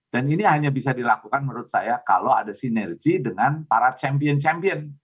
dan ini hanya bisa dilakukan menurut saya kalau ada sinergi dengan para champion champion